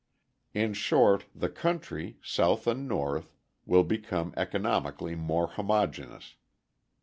In short, the country, South and North, will become economically more homogeneous.